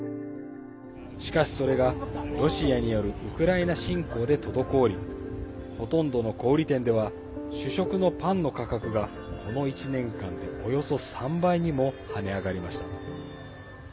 しかし、それがロシアによるウクライナ侵攻で滞りほとんどの小売店では主食のパンの価格がこの１年間でおよそ３倍にも跳ね上がりました。